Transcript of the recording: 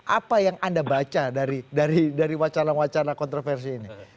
apa yang anda baca dari wacana wacana kontroversi ini